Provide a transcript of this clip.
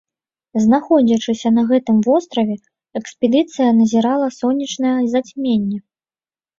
Знаходзячыся на гэтым востраве, экспедыцыя назірала сонечнае зацьменне.